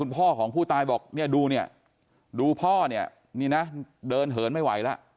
พ่อของผู้ตายบอกเนี่ยดูเนี่ยดูพ่อเนี่ยนี่นะเดินเหินไม่ไหวแล้ว